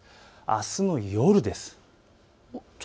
あすの夜です。